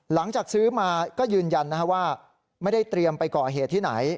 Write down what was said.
หลังจากซื้อมาก็ยืนยันว่าไม่ได้เตรียมไปก่อเหตุที่ไหน